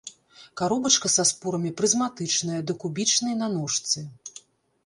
Каробачка са спорамі прызматычная да кубічнай на ножцы.